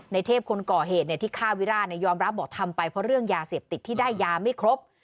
เทพคนก่อเหตุที่ฆ่าวิราชยอมรับบอกทำไปเพราะเรื่องยาเสพติดที่ได้ยาไม่ครบ